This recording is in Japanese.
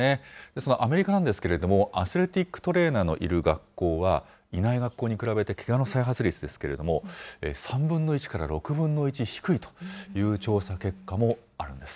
そのアメリカなんですけれども、アスレティックトレーナーのいる学校は、いない学校に比べてけがの再発率ですけれども、３分の１から６分の１低いという調査結果もあるんです。